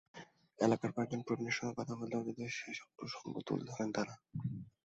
এলাকার কয়েকজন প্রবীণের সঙ্গে কথা বললে অতীতের সেসব প্রসঙ্গ তুলে ধরেন তাঁরা।